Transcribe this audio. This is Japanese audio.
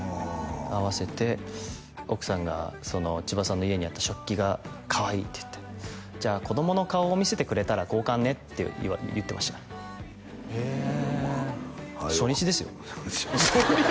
会わせて奥さんが千葉さんの家にあった食器がかわいいって言ってじゃあ子供の顔を見せてくれたら交換ねって言ってましたへえ初日ですよ初日？